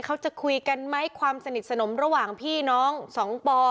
เขาจะคุยกันไหมความสนิทสนมระหว่างพี่น้องสองปอ